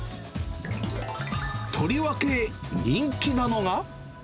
とりわけ、人気なのが。